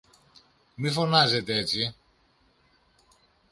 Μη φωνάζετε έτσι!